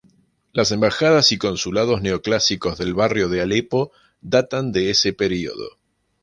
Las embajadas y consulados neoclásicos del barrio de Aleppo datan de ese periodo.